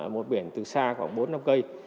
một biển từ xa khoảng bốn năm cây